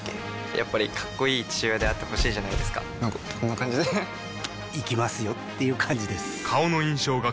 やっぱりかっこいい父親であってほしいじゃないですかなんかこんな感じで行きますよっていう感じです